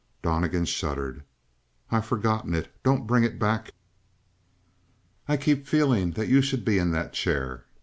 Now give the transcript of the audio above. Donnegan shuddered. "I've forgotten it. Don't bring it back." "I keep feeling that you should be in that chair."